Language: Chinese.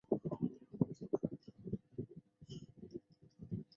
鸭跖草状凤仙花为凤仙花科凤仙花属下的一个种。